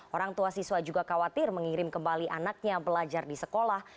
orang tua siswa juga khawatir mengirim kembali anaknya belajar di sekolah